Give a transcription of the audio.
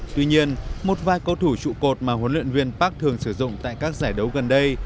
tuy nhiên một vài cầu thủ trụ cột mà huấn luyện viên park thường sử dụng tại các giải đấu gần đây